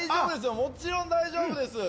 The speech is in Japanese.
もちろん大丈夫です。